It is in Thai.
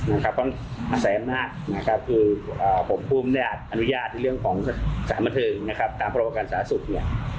อาศัยอำนาจผมผู้บุญญาติอนุญาตในเรื่องของสถาบันเทิงตามประวัติการศาสุทธิ์